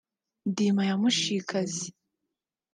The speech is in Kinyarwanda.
Ndima ya Mushikazi